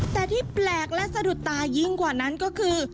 แต่ที่แปลกและสะดุดตายิ่งกว่านั้นก็คือ